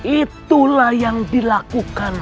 itulah yang dilakukan